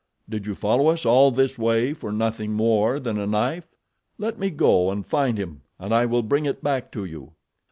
Did you follow us all this way for nothing more than a knife? Let me go and find him and I will bring it back to you."